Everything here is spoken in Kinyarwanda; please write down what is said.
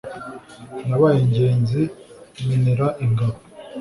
nabaye ingenzi menera ingabo